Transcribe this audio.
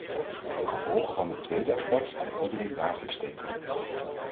De gevolgen van het tweede aspect komt iedereen dagelijks tegen.